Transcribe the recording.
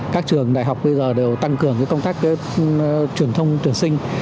các trường đại học bây giờ đều tăng cường công tác truyền thông tuyển sinh